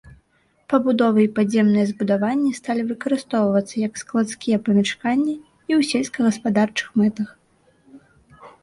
Пабудовы і падземныя збудаванні сталі выкарыстоўвацца як складскія памяшканні і ў сельскагаспадарчых мэтах.